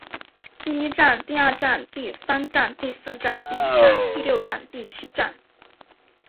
第一战第二战第三战第四战第五战第六战第七战